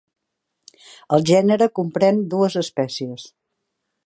El gènere comprèn dues espècies.